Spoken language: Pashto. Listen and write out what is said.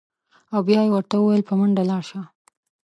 او بیا یې ورته ویل: په منډه لاړ شه.